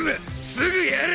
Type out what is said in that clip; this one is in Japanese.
すぐやれ！